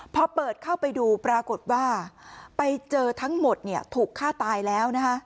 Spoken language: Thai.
พอเปิดเข้าไปดูปรากฏว่าไปเจอทั้งหมดถูกฆ่าตายแล้วนะคะ